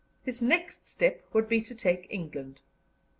His next step would be to take England.